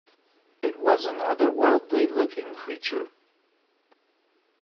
It was an otherworldly looking creature.